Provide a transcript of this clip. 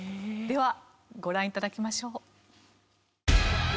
ではご覧頂きましょう。